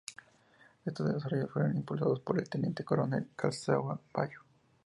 Estos desarrollos fueron impulsados por el Teniente Coronel Calzada Bayo.